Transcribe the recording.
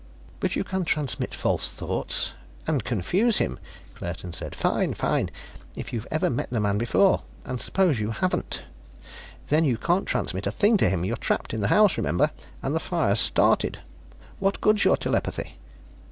"But you can transmit false thoughts " "And confuse him," Claerten said. "Fine. Fine. If you've ever met the man before. And suppose you haven't? Then you can't transmit a thing to him; you're trapped in the house, remember, and the fire's started. What good's your telepathy?"